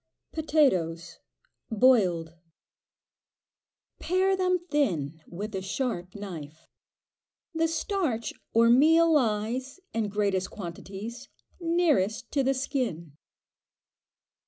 Potatoes (boiled). Pare them thin with a sharp knife. The starch or meal lies, in greatest quantities, nearest to the skin.